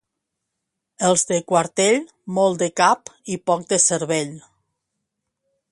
Els de Quartell, molt de cap i poc de cervell.